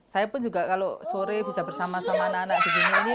saya pun juga kalau sore bisa bersama sama anak anak di sini